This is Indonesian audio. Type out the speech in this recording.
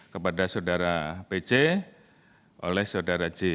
kepada saudara pc oleh saudara j